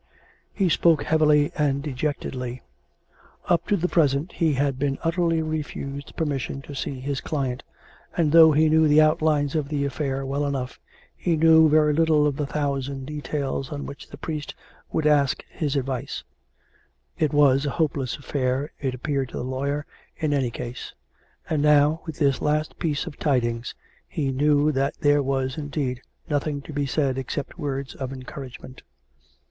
He spoke heavily and dejectedly. Up to the present he had been utterly refused permission to see his client; and though he knew the outlines of the affair well enough, he 440 COME RACK! COME ROPE! knew very little of the thousand details on which the priest would ask his advice. It was a hopeless affair^ it appeared to the lawyer, in any case. And now, with this last piece of tidings, he knew that there was, indeed, nothing to be said except words of encouragement.